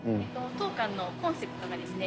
当館のコンセプトがですね